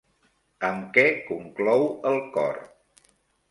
Amb què conclou el cor?